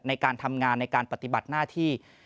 ในการทำงานในการปฏิบัติหน้าที่